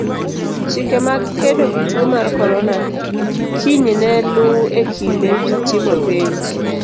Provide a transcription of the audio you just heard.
Chike mag kedo gi tuo mar korona kiny ne luu e kinde timo penj.